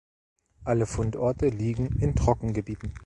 Alle Fundorte liegen in Trockengebieten.